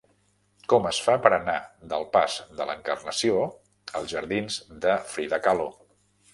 Com es fa per anar del pas de l'Encarnació als jardins de Frida Kahlo?